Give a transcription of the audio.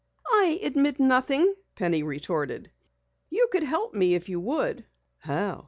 "I admit nothing," Penny retorted. "You could help me if you would!" "How?"